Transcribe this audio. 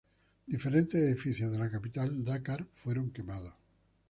Diferentes edificios de la capital, Dakar, fueron quemados.